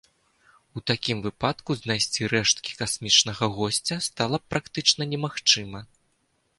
У такім выпадку знайсці рэшткі касмічнага госця стала б практычна немагчыма.